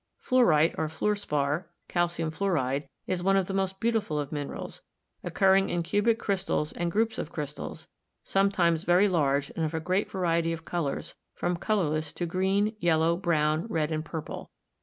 Fluorite, or Fluor Spar, Calcium Fluoride, is one of the most beautiful of minerals, occurring in cubic crystals and groups of crystals, sometimes very large and of a great variety of colors, from colorless to green, yellow, brown, red and purple.